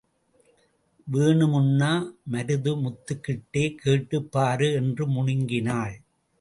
வேணுமுன்னா... மருதமுத்துக்கிட்ட கேட்டுப் பாரு... என்று முனங்கினாள்.